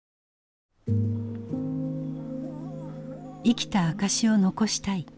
「生きた証しを残したい」。